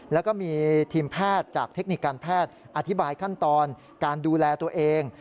แล้วก็มีทีมแพทย์จากเทคนิคการแพทย์อธิบายขั้นตอนการดูแลตัวเอง